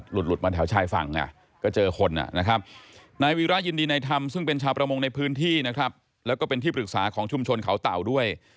หลุดมาแถวชายฝั่งก็เจอคนนะครับนายวีระยินดีในธรรมซึ่งเป็นชาวประมงในพื้นที่นะครับแล้วก็เป็นที่ปรึกษาของชุมชนเขาเต่าด้วย